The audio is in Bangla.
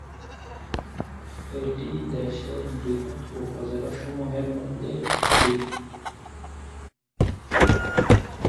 এটি দেশের বৃহৎ উপজেলা সমূহের মধ্যে একটি।